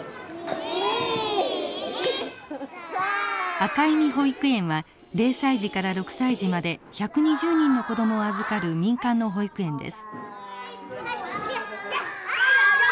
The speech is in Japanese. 朱い実保育園は０歳児から６歳児まで１２０人の子供を預かる民間の保育園です。